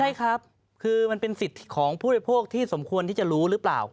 ใช่ครับคือมันเป็นสิทธิ์ของผู้บริโภคที่สมควรที่จะรู้หรือเปล่า